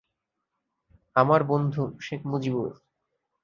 আমার বন্ধু, শেখ মুজিবুর!